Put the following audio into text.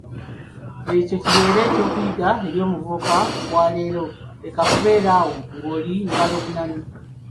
Ekyo kibeere eky’okuyiga eri omuvubuka wa leero, leka kubeera awo ng'oli ngalobunani.